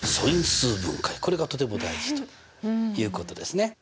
これがとても大事ということですね。